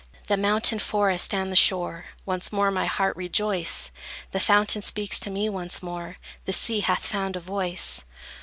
The mountain, forest, and the shore Once more my heart rejoice; The fountain speaks to me once more, The sea hath found a voice.